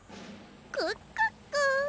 クックック。